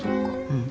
うん。